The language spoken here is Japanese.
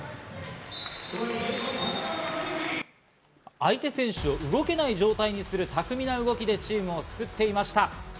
相手選手を動けない状態にする巧みな動きでチームを救っていました。